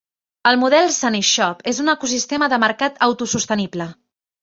El model SaniShop és un ecosistema de mercat auto-sostenible.